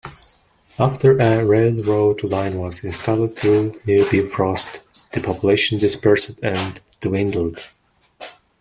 After a railroad line was installed through nearby Frost, the population dispersed and dwindled.